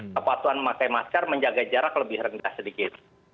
kepatuhan memakai masker menjaga jarak lebih rendah sedikit